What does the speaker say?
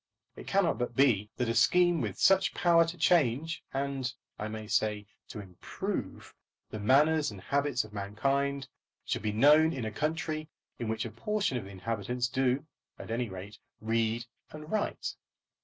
It cannot but be that a scheme with such power to change, and, I may say, to improve, the manners and habits of mankind, should be known in a country in which a portion of the inhabitants do, at any rate, read and write.